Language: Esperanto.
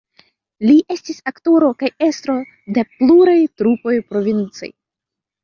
Li estis aktoro kaj estro de pluraj trupoj provincaj.